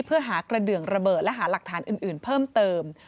เพื่อหากระเดืองระเบิดและหาหลักฐานอื่นเพิ่มเติม